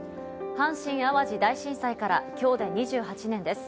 阪神・淡路大震災から今日で２８年です。